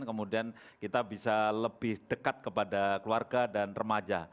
kemudian kita bisa lebih dekat kepada keluarga dan remaja